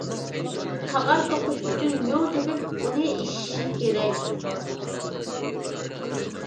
تاغار توقۇش ئۈچۈن يۇڭ تېپىپ، ئۇنى ئېشىش كېرەك.